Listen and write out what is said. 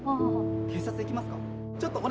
警察行きますか。